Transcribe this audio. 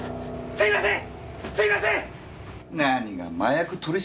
すいません！